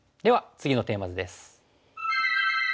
次のテーマ図です。